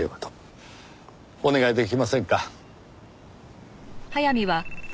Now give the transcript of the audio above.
お願い出来ませんか？